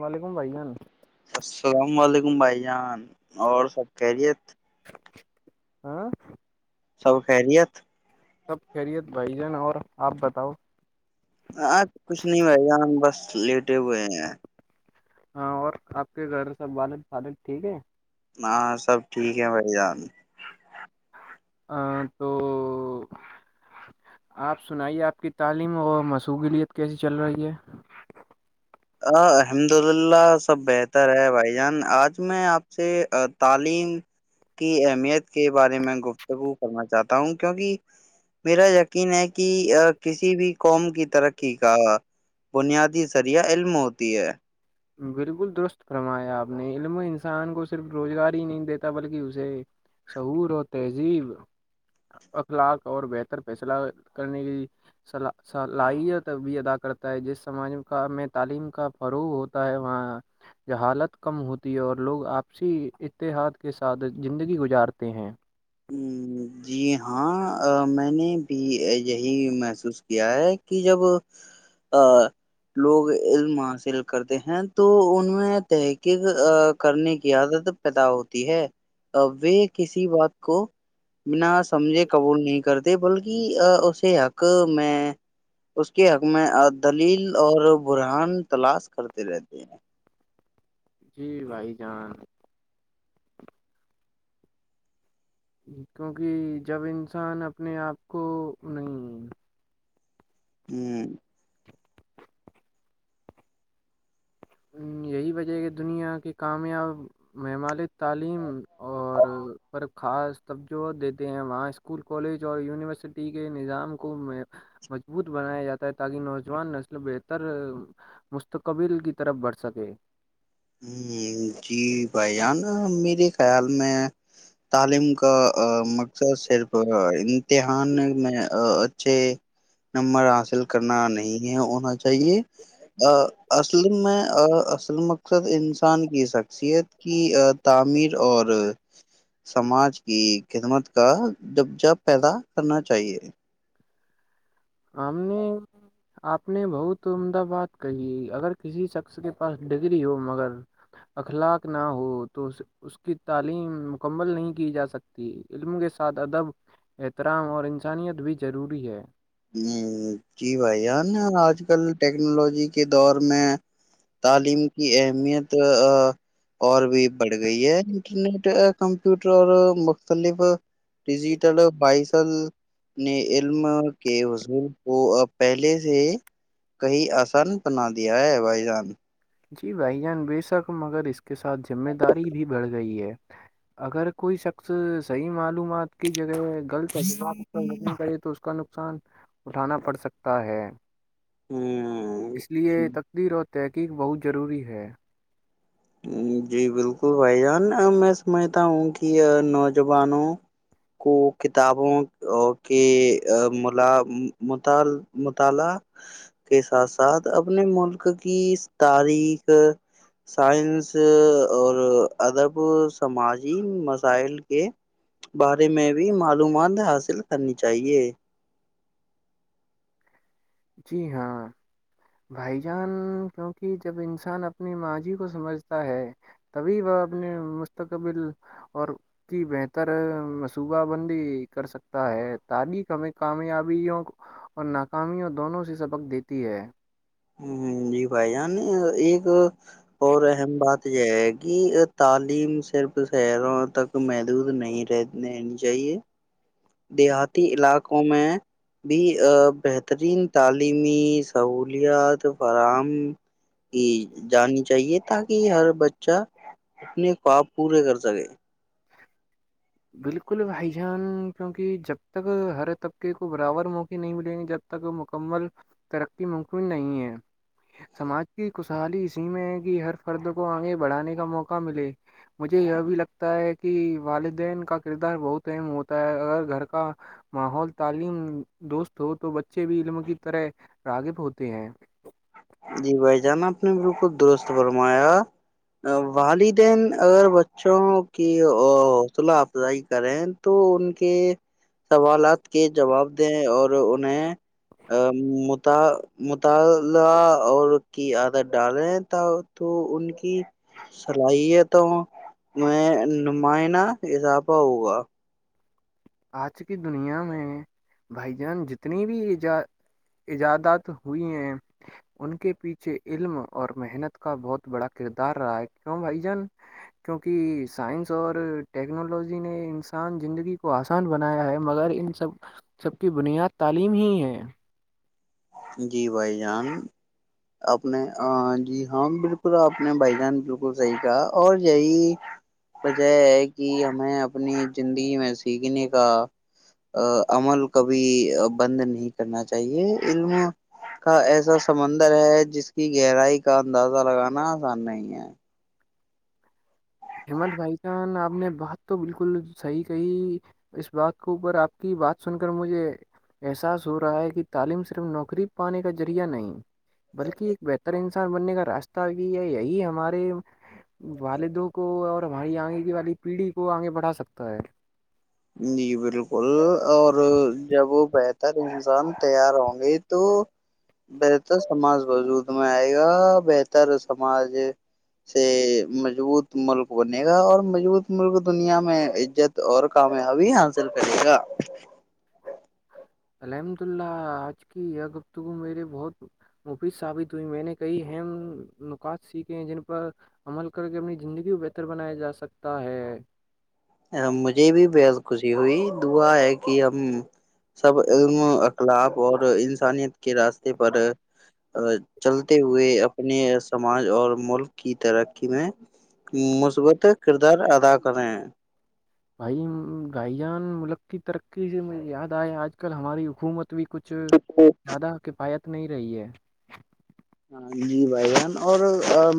وعلیکم بھائی جان السلام علیکم بھائی جان اور سب کہہرییت ہاں سب خیریت سب خیریت بھائی جان اور آپ بتاؤ آں کچھ نہیں بھائی گ ہم بس لیٹے ہوئے ہیں ہاں اور آپ کے گھر سب والد فالد ٹھیک ہے ہاں سب ٹھیک ہے بھائی جان تو آپ سنائیے آپ کی تعلیم اور مشوغلیت کیسی چل رہی ہے الحمد للہ سب بہتر ہے بھائی جان آج میں آپ سے تعلیم کی اہمیت کے بارے میں گفتگو کرنا چاہتا ہوں کیونکہ میرا یقین ہے کہ کسی بھی قوم کی ترقی کا بنیادی ذریعہ علم ہوتی ہے بالکل درست فرمایا آپ نے علم انسان کو صرف روزگار ہی نہیں دیتا بلکہ اسے شعور اور تہذیب اخلاق اور بہتر فیصلہ کرنے کی صلاحیت بھی ادا کرتا ہے جس سماج کا میں تعلیم کا فروغ وہاں حالت کم ہوتی ہے اور لوگ آپسی اتحاد کے ساتھ زندگی گزارتے ہیں جی ہاں میں نے بھی یہی محسوس کیا ہے کہ جب لوگ علم حاصل کرتے ہیں تو ان میں تحقیق کرنے کی عادت پیدا ہوتی ہے وہ کسی بات کو بنا سمجھے قبول نہیں کرتے بلکہ اسے حق میں اس کے حق میں دلیل اور برہان تلاش کرتے رہتے ہیں جی بھائی جان کیونکہ جب انسان اپنے آپ کو نہیں ہوں یہی وجہ کہ دنیا کے کامیاب ممالک تعلیم اور پر خاص توجہ دیتے ہیں وہاں اسکول کالج اور یونیورسٹی کے نظام کو مضبوط بنایا جاتا ہے تاکہ نوجوان نسل بہتر مستقبل کی طرف بڑھ سکے جی بھائیانا میرے خیال میں تعلیم کا مقصد صرف امتحان میں اچھے نمبر حاصل کرنا نہیں ہے ہونا چاہے اصل میں اصل مقصد انسان کی شخصیت کی تعمیر اور سماج کی خدمت کا جب پیدا کرنا چاہیے آ نے آپ نے بہت عمدہ بات کہی اگر کسی شخص کے پاس ڈگری ہو مگر اخلاق نہ ہو تو اس کی تعلیم مکمل نہیں کی جا سکتی علم کے ساتھ ادب احترام اور انسانیت بھی ضروری ہے جی بھائی یار [inaudible] آج کل ٹیکنالوجی کے دور میں تعلیم کی اہمیت اور بھی بڑھ گئی ہے انٹرنیٹ کمپیوٹر اور مختلف ڈیجیٹل بائسل نے علم کے حضول کو اب پہلے سے کہیں آسان بنا دیا ہے بھائی جان جی بھائی جان بے شک مگر اس کے سھ ذمہ داری بھی بڑ گئی ہے اگر کوئی شخص صحیح معلومات کی جگہ غلطات کرے تو اس کا نقصان اٹھانا پڑ سکتا ہے ہوں اس لیے تقدیر ہوتی تحقیق بہت ضروری ہے جی بالکل بھائی جان میں سمجھتا ہوں کہ نوجوانوں کو کتابوں کے مطال مطالعہ کے ساتھ ساتھ اپنے ملک کی تاریخ سائنس اور ادب سماجی مسائل کے بارے میں بھی معلومات حاصل کرنی چاہیے جی ہاں بھائی جان کیونکہ جب انسان اپنی ماضی کو سمجھتا ہے تبھی وہ اپنے مستقبل اور کی بہتر منصوبہ بندی کر سکتا ہے تلیخ کامیابیوں اور ناکامیوں دونوں سے سبق دیتی ہے جی بھائی جان ایک اور اہم بات یہ ہے کہ تعلیم صرف شہروں تک محدود نہیں رہ رہنی چاہیے دیہاتی علاقوں میں بھی بہترین تعلیمی سہولیات فراہم کی جانی چاہیے تاکہ ہر بچہ اپنے خواب پورے کر سکے بالکل حھائی جان کیونکہ جب تک ہر طبقے کو برابر موقع نہیں ملیں گے جب تک مکمل ترقی مممن نہیں ہے سماج کی خوشحالی اسی میں ہے کہ ہر فرد کو آگے بڑھانے کا موقع ملے مجھے یہ بھی لگتا ہے کہ والدین کا کردار بہت اہم ہوتا ہے اگر گھر کا ماحول تعلیم دوست ہو تو بچے بھی علم کی طرح راغب ہوتے ہیں جی بھائی جان آپ نے بالکل درست فرمایا والدین اگر بچوں کی حوصلہ افزائی کریں تو ان کے سوالات کے جواب دیں اور انہیں اللہ اور کی عادت ڈالیں تو ان کی صلاحیتوں میں نمائنہ اضافہ ہوگا آج کی دنیا میں بھائی جان جتنی بھی ای ایجادات ہوئی ہیں ان کے پیچھے علم اور محنت کا بہت بڑا کردار رہا ہے کیوں بھائی جان کیونکہ سائنس اور ٹیکنالوجی نے انسان زندگی کو کو آسان بنایا ہے مگر ان سب سب کی بنیاد تعلیم ہی ہے جی بھائی جان آپ نے جی ہاں بالکل آپ نے بھائی جان بالکل صحیح کہا اور یہی وجہ ہے کہ ہمیں اپنی زندگی میں سیکھنے کا عمل کبھی بند نہیں کرنا چاہیے علم کا ایسا سمندر ہے جس کی گہرائی کا اندازہ لگانا آسان نہیں ہے ہممت بھائی جان آپ نے بات تو بالکل صحیح کہی اس بات کے اوپر آپ کی بات سن کر مجھے احساس ہو رہا ہے کہ تعلیم صرف نوکری پانے کا ذریعہ نہیں بلکہ ایک بہتر انسان بننے کا راستہ بھی ہے یہی ہمارے والدوں کو اور ہماری آگے والی پیڑھی کو آگے بڑھا سکتا ہے جی بالکل اور جب وہ بہتر انسان تیار ہوں گے تو بہتر سماج وجود میں آئے گا بہتر سماج سے مضبوط ملک بنے گا اور مضبوط ملک دنیا میں عزت اور کامیابی حاصل کرے گا الحمد اللہ آج کی یہ گفتگو میرے بہت مفید ثابت ہوئی میں نے کئی اہم نکات سیکھے ہیں جن پر عمل کر کے اپنی زندگی کو بہتر بنایا جا سکتا ہے مجھے بھی بےحد خوشی ہوئی دعا ہے کہ ہم سب علم اخلاق اور انسانیت کے راستے پر چلتے ہوئے اپنے سماج اور ملک کی ترقی میں مثبت کردار ادا کریں بھائی بھائی جان ملک کی ترقی سے مجھے یاد آیا آج کل ہماری حکومت [unintelligible] بھی کچھ تو زیادہ کفایت نہیں رہی ہے ہاں جی بھائی جان اور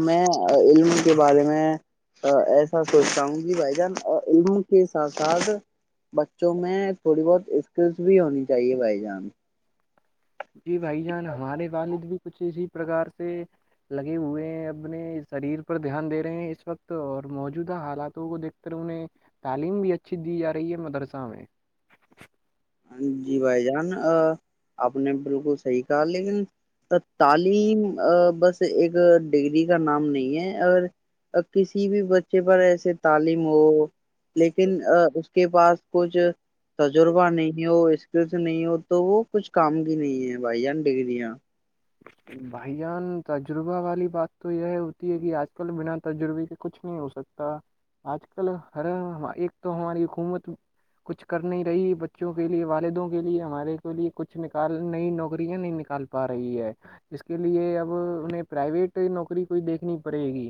میں علم کے بارے میں ایسا سوچتا ہوں کہ بھائی جان علم کے ساتھ ساتھ بچوں میں تھوڑی بہت اسکلس بھی ہونی چاہیے بھائی جان جی بھائی جان ہمارے والد بھی کچھ اسی پرکار سے لگے ہوئے ہیں اپنے شریر پر دھیان دے رہے ہیں اس وقت اور موجودہ حالاتوں کو دیکھ کر انہیں تعلیم بھی اچھی دی جا رہی ہے مدرسہ میں جی بھائی جان آپ نے بالکل صحیح کہا لیکن تعلیم بس ایک ڈگری کا نام نہیں ہے اگر کسی بھی بچے پر ایسے تعلیم ہو لیکن اس کے پاس کچھ تجربہ نہیں نہیں ہو اسکل سے نہیں ہو تو وہ کچھ کام کی نہیں ہے بھائی جان ڈگگریاں بھائی جان تجربہ والی بات تو یہ ہوتی ہے کہ آج کل بنا تجربے کے کچھ نہیں ہو سکتا آج کل ہر ایک تو ہماری حکومت کچھ کر نہیں رہی بچوں کے لیے والدوں کے لیے ہمارے کے لیے کچھ نکال نئی نوکریاں نہیں نکال پا رہی ہے اس کے لیے اب انہیں پرائیویٹ نوکری کوئی دیکھنی پڑے گی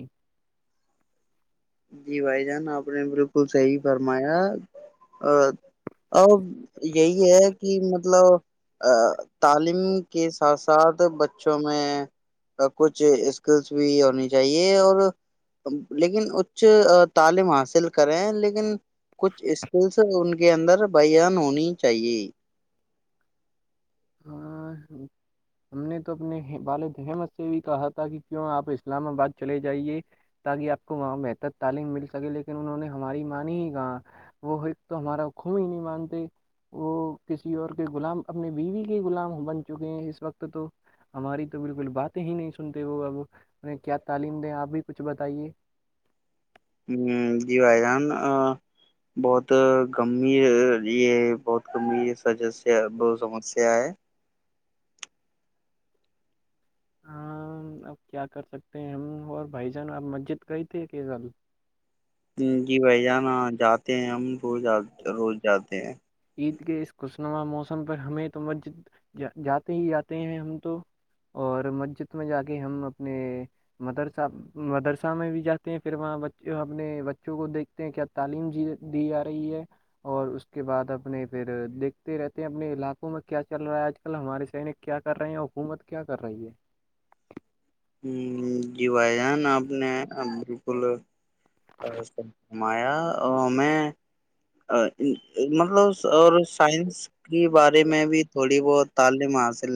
جی بھائی جان آپ نے بالکل صحیح فرمایا ا یہی ہے کہ مطلب تعلیم کے ساتھ ساتھ بچوں میں کچھ اسکلس بھی ہونی چاہیے اور لیکن کچھ تعلیم حاصل کرے ہیں لیکن کچھ اسکلس ان کے کے اندر بان ہونی چاہیے ہاں ہم نے تو اپنے والد احمد سے بھی کہا تھا کہ کیوں آپ اسلام آباد چلے جائیے تاکہ آپ کو وہاں بہتر تعلیم مل سکے لیکن انہوں نے ہماری مان ہی کہا وہ ایک تو ہمارا خب ہی نہیں مانتے وہ کسی اور کے غلام اپنی بیوی غلام بن چکے ہیں اس وقت تو ہماری تو بالکل بات ہی نہیں سنتے وہ اب انیں کیا تعلیم دیں آپ بھی کچھ بتائیے ہ جی بھائی جان بہت گمبھیر یہ بہت گمبھیر سجس ب سمسیا ہے ہاں اب کیا کر سکتے ہیں ہم اور بھائی جان آپ مسجد گئے تھے کیزل جی بھائی جانا جاتے ہیں ہم رو روز جاتے ہیں عید کے اس خوشنما موسم پر ہمیں تو مسجدا جاتے ہی جاتے ہیں ہم تو اور مسجد میں جا کے ہم اپنے مدرسہ مدرسہ میں بھی جاتے ہیں پھر وہاں اپنے بچوں کو دیکھتے ہیں کیا تعلیم جی دی جا رہی ہے اور اس کے بعد اب اپنے پھر دیکھتے رہتے ہیں اپنے علاقوں میں کیا چل رہا ہے آج کل ہمارے سینک کیا کر رہے ہیں حکومت کیا کر رہی ہے ہ جی بھائی جان آپ نے بالکل اچ [unintelligible] ہمایا ہمیں مطلب اور سائنس کی بارے میں بھی تھوڑی بہت تعلیم حاصل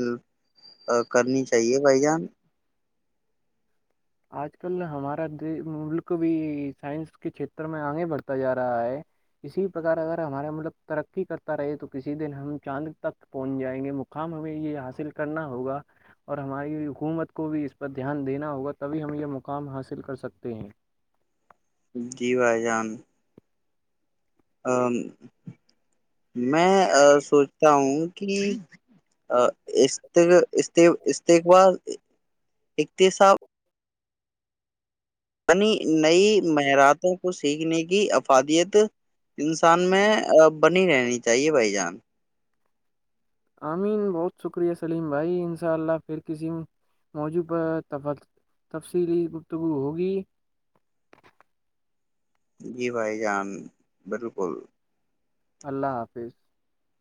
کرنی چاہیے بھائی جان آج کل ہمارا ملک بھی سائنس کے چھیتر میں آگے بڑھتا جا رہا ہے اسی پرکار اگر ہمارا ملک ترقی کرتا رہے تو کسی دن ہم چاند تک پہنچ جائیں گے مقام ہمیں یہ حاصل کرنا ہوگا اور ہماری حکومت کو بھی اس پر دھیان دینا ہوگا تبھی ہم یہ مقام حاصل کر سکتے ہیں جی بھائی جان ا میں سوچتا ہوں کہ استقبال اتصاح بنی نئی معیاراتوں کو سیکھنے کی افادیت انسان میں بنی رہنی چاہیے بھائی جان آمین بہت شکریہ سلیم بھائی انشاء اللہ پھر کسی موضوع پر تفصیلی گفتگو ہوگی جی بھائی جان بالکل اللہ حافظ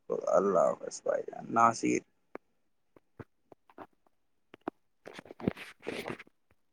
تو اللہ حافس بائی جان ناصر [inaudible]